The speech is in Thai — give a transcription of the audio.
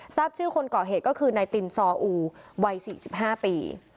ทราบชื่อคนเกาะเหตุก็คือนายตินซออูวัยสี่สิบห้าปี